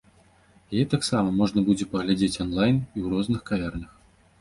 Яе таксама можна будзе паглядзець онлайн і ў розных кавярнях.